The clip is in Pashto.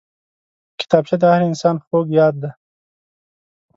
کتابچه د هر انسان خوږ یاد دی